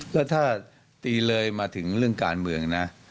ก็ถ้าตีเลยมาถึงเรื่องการเมืองนะ